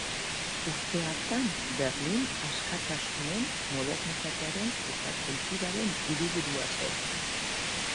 Urte hartan, Berlin askatasunen, modernitatearen eta kulturaren hiriburua zen.